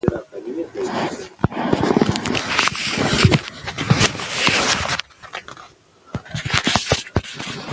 د ناروغانو پوهه د سپورت په اهمیت کې اغېزه لري.